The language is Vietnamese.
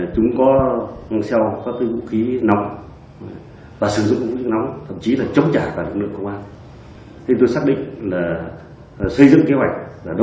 chúng có ngăn sao các cái vũ khí nóng và sử dụng vũ khí nóng thậm chí là chống trả cả lực lượng công an